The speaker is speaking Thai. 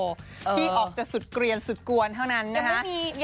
ที่ออกจะสุดเกลียนสุดกวนเท่านั้นนะคะ